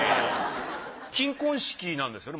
金婚式なんですよね